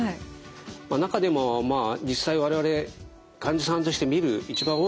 中でも実際我々患者さんとして診る一番多いですね